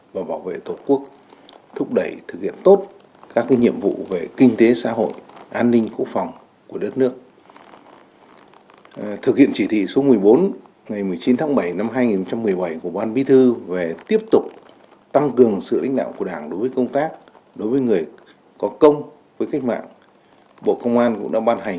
về việc thực hiện chính sách đối với người có công trong công an nhân dân